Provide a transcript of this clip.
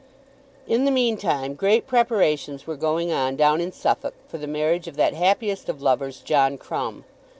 In the meantime great preparations were going on down in Suffolk for the marriage of that happiest of lovers, John Crumb.